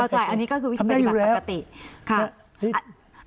เข้าใจอันนี้ก็คือวิธีปฏิบัติปกติ